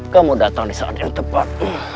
kamu datang di saat yang tepat